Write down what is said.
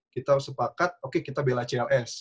kita sepakat oke kita bela cls